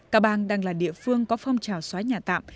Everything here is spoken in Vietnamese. ca bang đang là địa phương có phong trào xóa nhà tạm